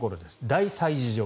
大催事場。